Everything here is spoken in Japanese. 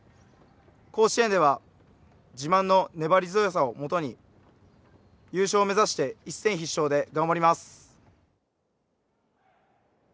甲子園では自慢の粘り強さを元に優勝を目指して一戦必勝で頑張ります。